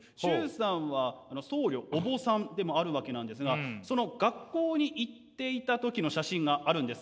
崇さんは僧侶お坊さんでもあるわけなんですがその学校に行っていた時の写真があるんです。